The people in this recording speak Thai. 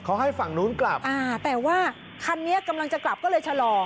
เขาให้ฝั่งนู้นกลับอ่าแต่ว่าคันนี้กำลังจะกลับก็เลยชะลอ